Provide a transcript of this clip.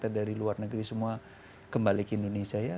karena kita dari luar negeri semua kembali ke indonesia ya